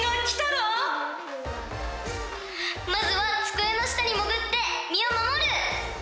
まずは机の下に潜って身を守る！